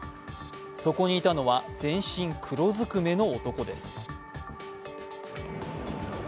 そこにいたのは全身黒ずくめの男です。